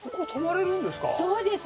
そうです。